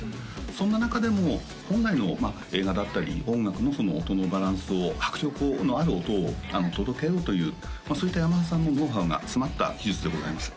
そんな中でも本来の映画だったり音楽の音のバランスを迫力のある音を届けようというそういったヤマハさんのノウハウが詰まった技術でございます